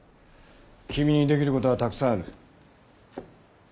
キミにできることはたくさんある。